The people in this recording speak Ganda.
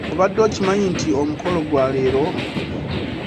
Obadde okimanyi nti omukolo gwa leero!